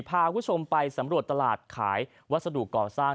พาคุณผู้ชมไปสำรวจตลาดขายวัสดุก่อสร้าง